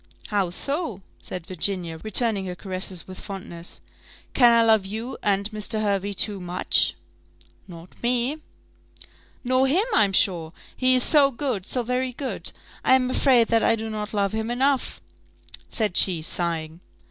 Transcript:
"How so?" said Virginia, returning her caresses with fondness: "can I love you and Mr. Hervey too much?" "Not me." "Nor him, I'm sure he is so good, so very good! I am afraid that I do not love him enough," said she, sighing.